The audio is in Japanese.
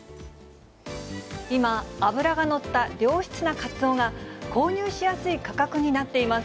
今、脂が乗った良質なカツオが、購入しやすい価格になっています。